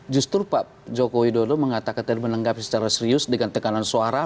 justru pak jokowi dulu mengatakan dan menanggapi secara serius dengan tekanan suara